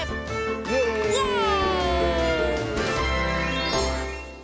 イエーイ！